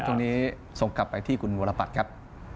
ทุกวันนี้ส่งกลับไปที่คุณวรพัฒน์ครับ